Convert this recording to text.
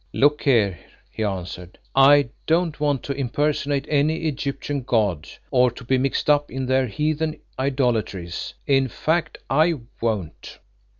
"Look here," he answered, "I don't want to impersonate any Egyptian god, or to be mixed up in their heathen idolatries; in fact, I won't."